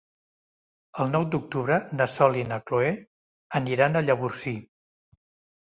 El nou d'octubre na Sol i na Cloè aniran a Llavorsí.